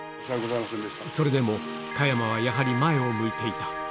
それでも加山はやはり前を向いていた。